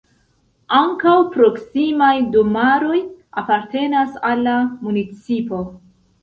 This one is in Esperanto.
Ankaŭ proksimaj domaroj apartenas al la municipo.